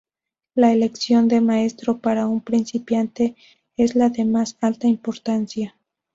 La elección de maestro para un principiante es de la más alta importancia.